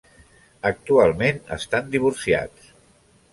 Actualment estan divorciats.